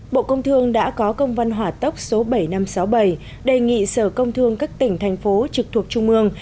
bộ công thương đã có công văn hỏa tốc số bảy nghìn năm trăm sáu mươi bảy đề nghị sở công thương các tỉnh thành phố trực thuộc trung ương